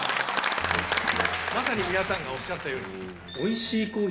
まさに皆さんがおっしゃったように。